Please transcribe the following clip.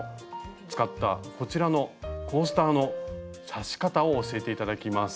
使ったこちらのコースターの刺し方を教えて頂きます。